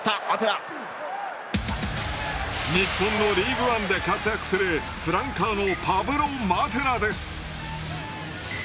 日本のリーグワンで活躍するフランカーのパブロ・マテラです。